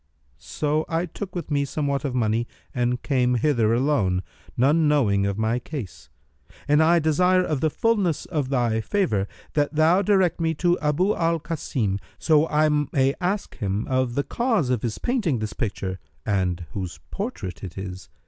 So I took with me somewhat of money and came hither alone, none knowing of my case; and I desire of the fullness of thy favour that thou direct me to Abu al Kasim, so I may ask him of the cause of his painting this picture and whose portrait it is.